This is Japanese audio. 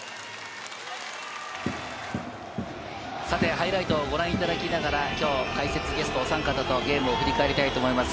ハイライトをご覧いただきながら、きょう解説ゲストのお三方とゲームを振り返ります。